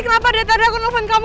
kenapa dead tadi aku nelfon kamu